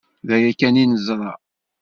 D aya kan i neẓra.